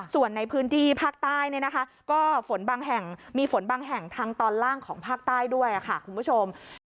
ส่วนในพื้นที่ภาคใต้ก็ฝนบางแห่งมีฝนบางแห่งทางตอนล่างของภาคใต้ด้วยค่ะคุณผู้ชม